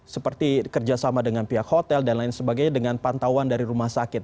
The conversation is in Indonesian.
seperti kerjasama dengan pihak hotel dan lain sebagainya dengan pantauan dari rumah sakit